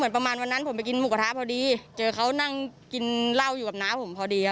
คือจะบอกว่าไม่ได้มีเรื่องแต่เขายังเป็นคนที่รู้จักกับน้าเราด้วย